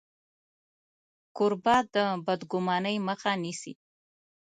کوربه د بدګمانۍ مخه نیسي.